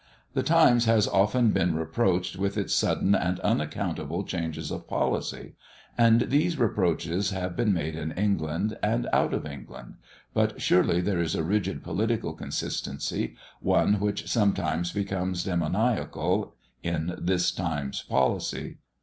The Times has often been reproached with its sudden and unaccountable changes of policy, and these reproaches have been made in England and out of England; but surely there is a rigid political consistency, one which sometimes becomes demoniacal, in this Times' policy.